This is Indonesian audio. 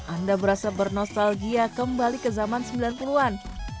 anda berasa bernostalgia kembali ke zaman sembilan puluh an